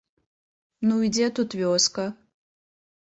Ну і дзе тут вёска?